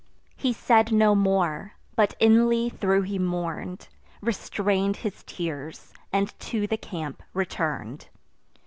He said no more, but, inly thro' he mourn'd, Restrained his tears, and to the camp return'd.